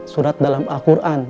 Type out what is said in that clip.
surat dalam al quran